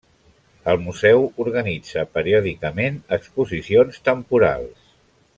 El museu organitza periòdicament exposicions temporals.